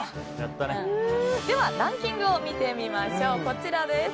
ではランキングを見てみましょう。